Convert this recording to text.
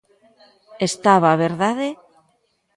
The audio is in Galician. Estaba ¿verdade?